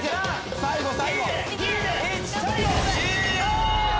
最後最後！